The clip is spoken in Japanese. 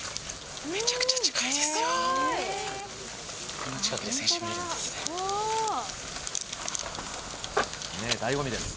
めちゃくちゃ近いですよ。